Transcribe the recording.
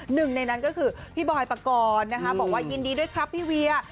หนึ่งในนั้นก็คือพี่บอยปกรณ์นะคะบอกว่ายินดีด้วยครับพี่เวีย